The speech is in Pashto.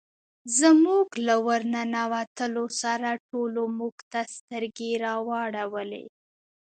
زموږ له ور ننوتلو سره ټولو موږ ته سترګې را واړولې.